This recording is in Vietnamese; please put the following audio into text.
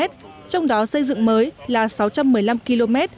trong đó xây dựng mới là sáu trăm một mươi năm km